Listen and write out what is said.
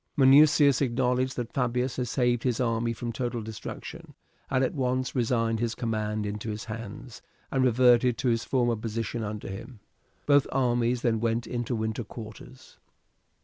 Minucius acknowledged that Fabius had saved his army from total destruction, and at once resigned his command into his hands, and reverted to his former position under him. Both armies then went into winter quarters.